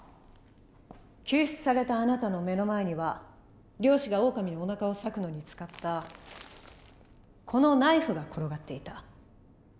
救出されたあなたの目の前には猟師がオオカミのおなかを裂くのに使ったこのナイフが転がっていた。